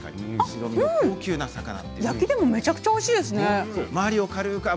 焼きでも、めちゃくちゃおいしいですね。